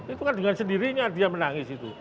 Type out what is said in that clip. itu kan dengan sendirinya dia menangis itu